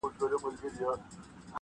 لوستونکي بېلابېل نظرونه ورکوي-